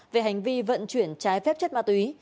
về hành vi vận chuyển trái phép chất ma túy